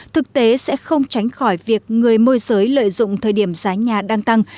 thực tế sẽ không tránh khỏi việc người môi giới lợi dụng thời điểm giá nhà đang tăng